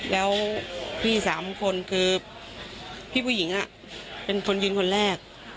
แล้วพี่สามคนคือพี่ผู้หญิงเป็นคนยิงคนแรก